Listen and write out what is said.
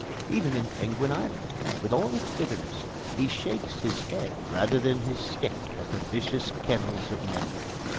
Even in Penguin Island, with all its bitterness, he shakes his head rather than his stick at the vicious kennels of men.